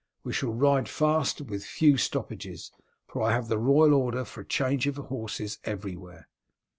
We shall ride fast and with few stoppages, for I have the royal order for change of horses everywhere."